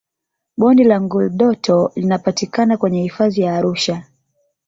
bonde la ngurdoto linapatikana kwenye hifadhi ya arusha